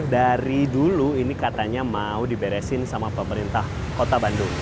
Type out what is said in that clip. dari dulu ini katanya mau diberesin sama pemerintah kota bandung